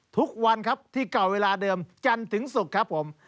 ทุกวันครับที่เก่าเวลาเดิมจันทร์ถึงศุกร์ครับผม